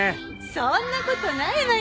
そんな事ないわよ